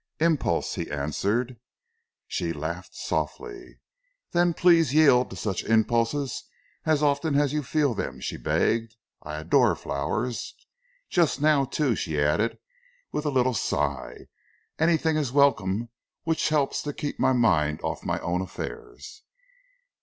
"Impulse," he answered. She laughed softly. "Then please yield to such impulses as often as you feel them," she begged. "I adore flowers. Just now, too," she added, with a little sigh, "anything is welcome which helps to keep my mind off my own affairs."